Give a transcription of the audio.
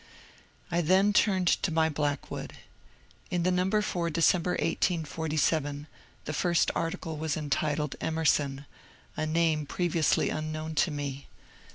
I then turned to my " Blackwood." In the number for December, 1847, the first article was entitled ^^ Emerson," — a name previously unknown to me.